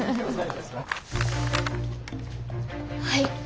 はい。